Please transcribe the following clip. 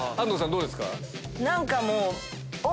どうですか？